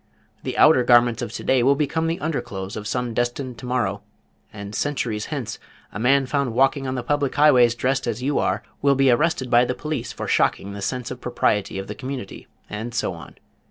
The outer garments of to day will become the under clothes of some destined to morrow, and centuries hence a man found walking on the public highways dressed as you are will be arrested by the police for shocking the sense of propriety of the community, and so on.